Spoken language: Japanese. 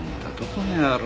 この野郎。